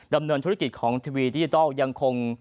ดำเนินธุรกิจของทีวีดิจิทัลยังคง